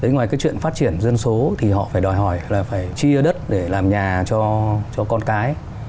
ngoài cái chuyện phát triển dân số thì họ phải đòi hỏi là phải chia đất để làm nhà cho con cái